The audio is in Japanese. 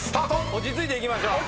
落ち着いていきましょう。